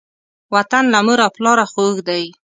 وطن له مور او پلاره خوږ دی.